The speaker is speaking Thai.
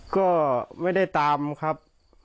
ก็ไม่ได้ตามครับ